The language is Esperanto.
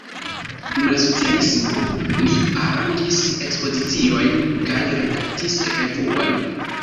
Dum la socialismo li aranĝis ekspoziciojn kaj redaktis revuon.